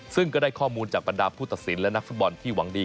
ซึ่งก็ได้ข้อมูลจากบรรดาผู้ตัดสินและนักฟุตบอลที่หวังดี